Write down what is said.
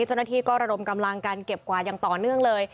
เจ้าหน้าที่ก็ระดมกำลังการเก็บกวาดอย่างต่อเนื่องเลย